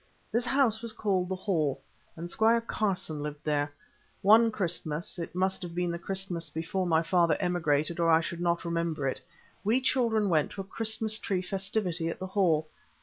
This house was called the Hall, and Squire Carson lived there. One Christmas—it must have been the Christmas before my father emigrated, or I should not remember it—we children went to a Christmas tree festivity at the Hall.